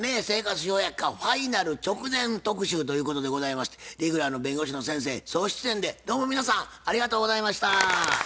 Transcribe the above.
「生活笑百科ファイナル直前特集」ということでございましてレギュラーの弁護士の先生総出演でどうも皆さんありがとうございました。